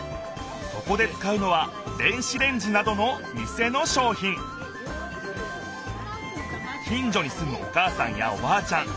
そこで使うのは電子レンジなどの店のしょうひん近じょにすむおかあさんやおばあちゃん